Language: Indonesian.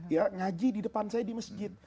ya ngaji di depan saya di masjid